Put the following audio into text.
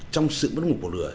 trong sự mất ngủ của lửa